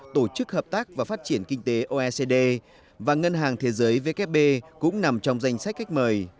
tổ chức hợp tác và phát triển kinh tế oecd và ngân hàng thế giới vkp cũng nằm trong danh sách khách mời